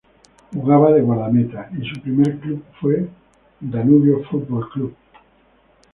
Jugaba de guardameta y su primer club fue Danubio Fútbol Club.